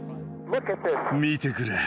見てくれ。